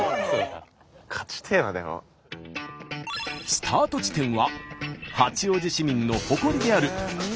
スタート地点は八王子市民の誇りである高尾山。